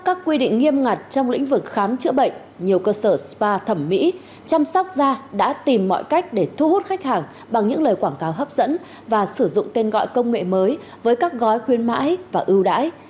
các quy định nghiêm ngặt trong lĩnh vực khám chữa bệnh nhiều cơ sở spa thẩm mỹ chăm sóc da đã tìm mọi cách để thu hút khách hàng bằng những lời quảng cáo hấp dẫn và sử dụng tên gọi công nghệ mới với các gói khuyến mãi và ưu đãi